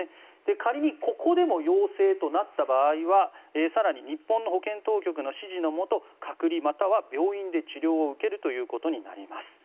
仮にここでも陽性となった場合は更に日本の保健当局の指示のもと隔離または病院で治療を受けるということになります。